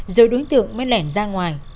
rồi đối tượng mới lẻn ra ngoài